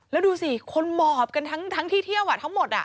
แล้วดูสิคนหมอบกันทั้งที่เที่ยวทั้งหมด